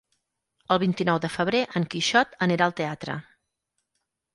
El vint-i-nou de febrer en Quixot anirà al teatre.